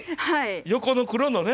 横の黒のね。